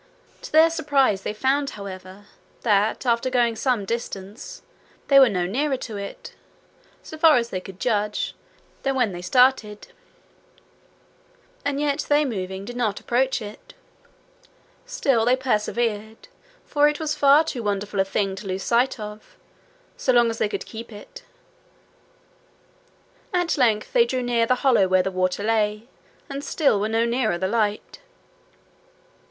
To their surprise they found, however, that, after going some distance, they were no nearer to it, so far as they could judge, than when they started. It did not seem to move, and yet they moving did not approach it. Still they persevered, for it was far too wonderful a thing to lose sight of, so long as they could keep it. At length they drew near the hollow where the water lay, and still were no nearer the light.